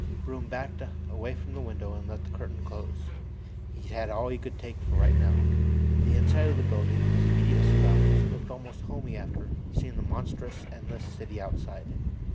Broom backed away from the window and let the curtain close. He'd had all of that he could take for right now. The inside of the building, his immediate surroundings, looked almost homey after seeing that monstrous, endless city outside.